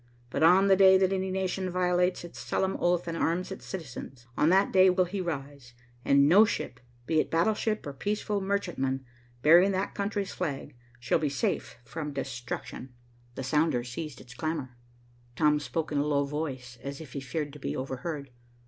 But, on the day that any nation violates its solemn oath and arms its citizens, on that day will he rise, and no ship, be it battleship or peaceful merchantman, bearing that country's flag, shall be safe from destruction.'" The sounder ceased its clamor. Tom spoke in a low voice, as if he feared to be overheard.